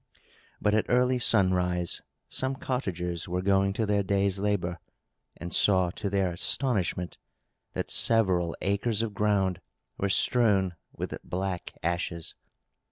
But, at early sunrise, some cottagers were going to their day's labour, and saw, to their astonishment, that several acres of ground were strewn with black ashes.